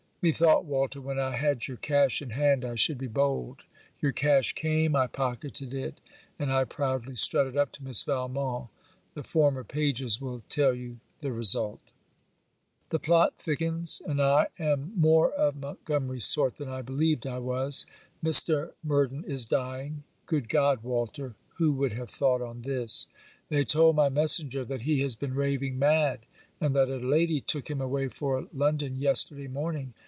Methought, Walter, when I had your cash in hand I should be bold. Your cash came; I pocketed it; and I proudly strutted up to Miss Valmont. The former pages will tell you the result. The plot thickens, and I am more of Montgomery's sort than I believed I was. Mr. Murden is dying. Good God, Walter! who would have thought on this? They told my messenger that he has been raving mad! and that a lady took him away for London yesterday morning.